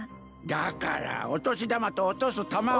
だからお年玉と落とす玉を。